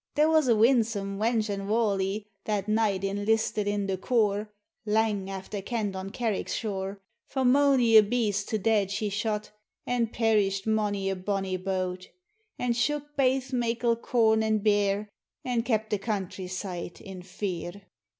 There was ae winsome wench and walie, That night inlisted in the core (Lang after kenned on Carrick shore ; For monie a beast to dead she shot, And perished monie a bonnie boat, And si 100k baith meikle corn and bear, And kept the country side in fear).